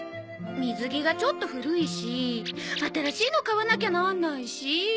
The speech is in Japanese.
水着がちょっと古いし新しいの買わなきゃなんないし。